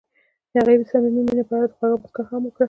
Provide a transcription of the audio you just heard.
هغې د صمیمي مینه په اړه خوږه موسکا هم وکړه.